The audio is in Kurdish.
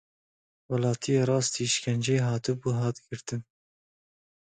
Welatiyê rastî îşkenceyê hatibû, hat girtin.